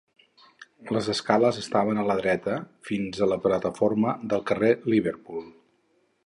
Les escales estaven a la dreta fins a la plataforma del carrer Liverpool.